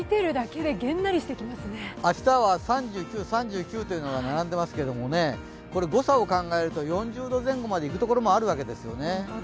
明日は３９というのが並んでますけれども誤差を考えると４０度前後までいくところもあるわけですよね。